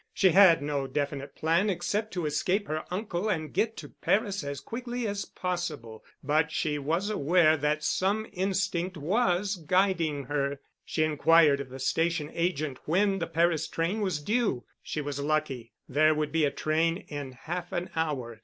She had no definite plan except to escape her uncle and get to Paris as quickly as possible. But she was aware that some instinct was guiding her. She inquired of the Station Agent when the Paris train was due. She was lucky. There would be a train in half an hour.